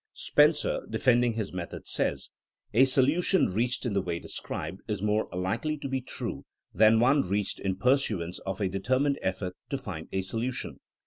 Spencer, defending his method, says: A solution reached in the way described, is more likely to be true than one reached in pursuance of a determined effort to find a solution.